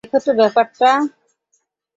দেখো তো ব্যাপারটা।